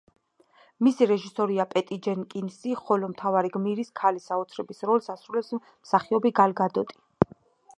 მისი რეჟისორია პეტი ჯენკინსი, ხოლო მთავარი გმირის, ქალი საოცრების როლს ასრულებს მსახიობი გალ გადოტი.